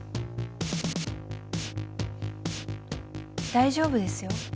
大丈夫ですよ。